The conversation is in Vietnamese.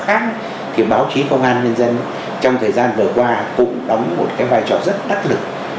khác thì báo chí công an nhân dân trong thời gian vừa qua cũng đóng một cái vai trò rất đắc lực